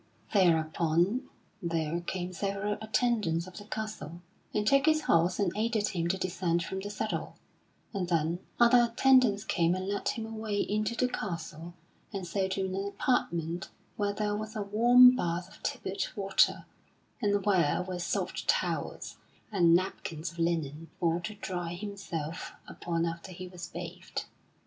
Thereupon there came several attendants of the castle, and took his horse and aided him to descend from the saddle; and then other attendants came and led him away into the castle and so to an apartment where there was a warm bath of tepid water, and where were soft towels and napkins of linen for to dry himself upon after he was bathed.